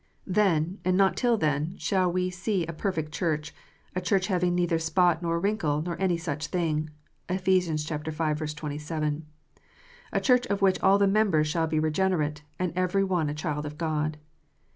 Then, and not till then, shall we see a perfect Church, a Church having neither spot nor wrinkle, nor any such thing (Eph. v. 27), a Church of which all the members shall be regenerate, and every one a child of God.